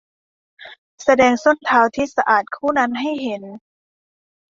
แสดงส้นเท้าที่สะอาดคู่นั้นให้เห็น